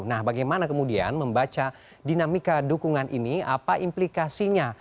nah bagaimana kemudian membaca dinamika dukungan ini apa implikasinya